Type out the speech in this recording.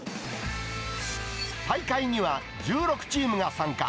大会には１６チームが参加。